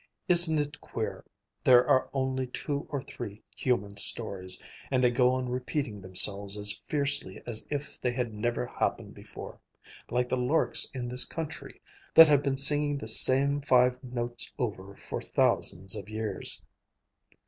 "Isn't it queer: there are only two or three human stories, and they go on repeating themselves as fiercely as if they had never happened before; like the larks in this country, that have been singing the same five notes over for thousands of years."